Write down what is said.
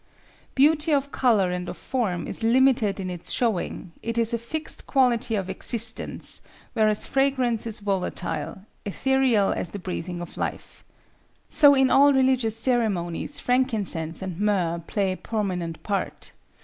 Beauty of color and of form is limited in its showing; it is a fixed quality of existence, whereas fragrance is volatile, ethereal as the breathing of life. So in all religious ceremonies frankincense and myrrh play a prominent part.